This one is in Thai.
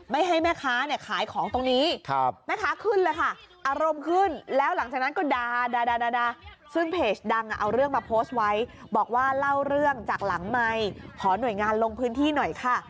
บอกว่าเล่าเรื่องจากหลังไมค์ขอหน่วยงานลงพื้นที่หน่อยค่ะ